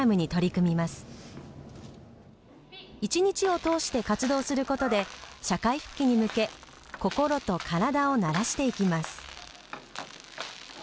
一日を通して活動することで社会復帰に向け心と体を慣らしていきます。